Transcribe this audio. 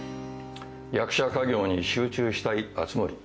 役者稼業に集中したい熱護。